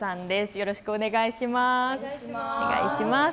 よろしくお願いします。